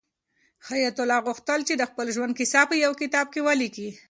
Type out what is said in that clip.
حیات الله غوښتل چې د خپل ژوند کیسه په یو کتاب کې ولیکي.